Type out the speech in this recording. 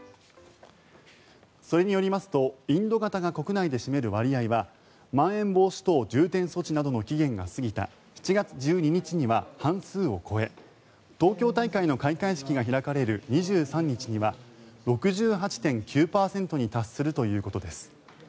それによりますとインド型が国内で占める割合はまん延防止等重点措置などの期限が過ぎた７月１２日には半数を超え東京大会の開会式が開かれる２３日には６８．９％に達するということです。